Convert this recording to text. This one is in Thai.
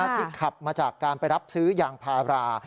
ที่ขับมาจากการไปรับซื้อยางพารา